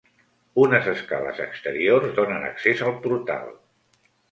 Unes escales exteriors donen accés al portal.